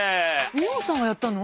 美穂さんがやったの？